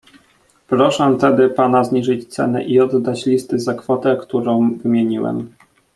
"Proszę tedy pana zniżyć cenę i oddać listy za kwotę, którą wymieniłem."